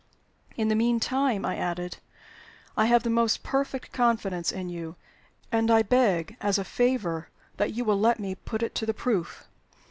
"In the mean time," I added, "I have the most perfect confidence in you; and I beg as a favor that you will let me put it to the proof.